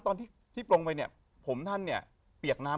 ตอนที่ลงไปเนี่ยผมท่านเนี่ยเปียกน้ำ